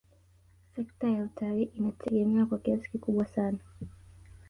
Sekta ya utalii inategemewa kwa kiasi kikubwa sana